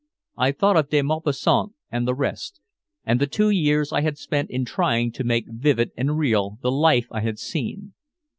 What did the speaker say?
I thought of De Maupassant and the rest, and the two years I had spent in trying to make vivid and real the life I had seen.